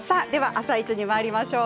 「あさイチ」にまいりましょう。